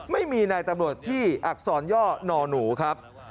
ไม่มีนายตำรวจที่อักษรย่อนอหนูครับ